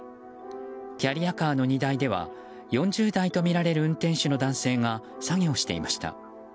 キャリアカーの荷台では４０代とみられる運転手の男性が作業していました。